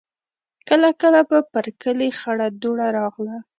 کله کله به پر کلي خړه دوړه راغله.